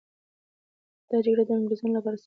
دا جګړه د انګریزانو لپاره سخته وه.